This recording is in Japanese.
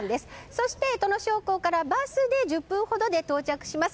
そして、土庄港からバスで１０分ほどで到着します。